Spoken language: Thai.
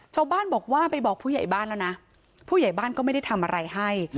ชาวบ้านบอกว่าไปบอกผู้ใหญ่บ้านแล้วนะผู้ใหญ่บ้านก็ไม่ได้ทำอะไรให้